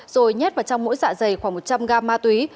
rồi nhét vào trong mỗi dạ dày khoảng một trăm linh gam ma túy